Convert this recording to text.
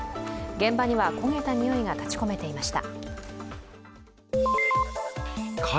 現場には焦げた匂いが立ちこめていました。